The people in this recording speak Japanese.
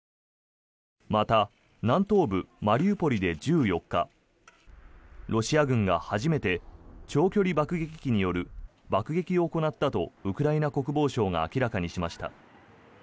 また、南東部マリウポリで１４日ロシア軍が初めて長距離爆撃機による爆撃を行ったとウクライナ国防省が明らかにしました。